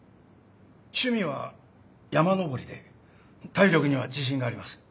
趣味は山登りで体力には自信があります。